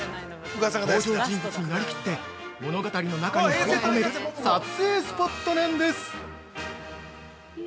登場人物になりきって物語の中に入り込める撮影スポットなんです。